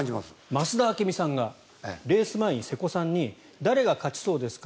増田明美さんがレース前に瀬古さんに誰が勝ちそうですか？